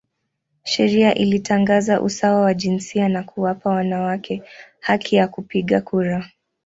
Sheria ilitangaza usawa wa jinsia na kuwapa wanawake haki ya kupiga kura.